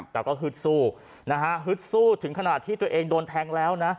แล้วก็ฮึดสู้ฮึดสู้ถึงขนาดที่ตัวเองโดนแทงแล้ว